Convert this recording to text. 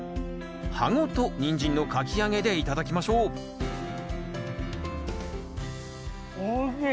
葉ごとニンジンのかき揚げで頂きましょうおいしい！